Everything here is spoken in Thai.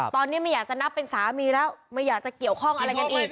ตอนนี้ไม่อยากจะนับเป็นสามีแล้วไม่อยากจะเกี่ยวข้องอะไรกันอีก